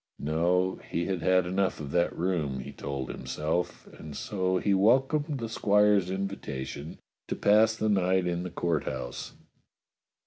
No, he had had enough of that room, he told himself, and so he wel comed the squire's invitation to pass the night in the 244 DOCTOR SYN Court House.